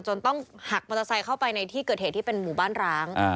ต้องหักมอเตอร์ไซค์เข้าไปในที่เกิดเหตุที่เป็นหมู่บ้านร้าง